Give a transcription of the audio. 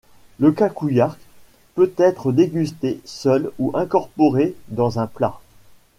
Le cacouyard peut être dégusté seul ou incorporé dans un plat.